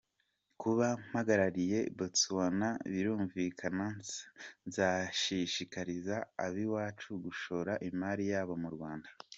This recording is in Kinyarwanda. Kuba mpagarariye Batswana birumvikana nzashishikariza ab’iwacu gushora imari yabo mu Rwanda”.